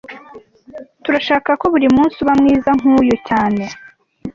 Turashaka ko buri munsi uba mwiza nkuyu cyane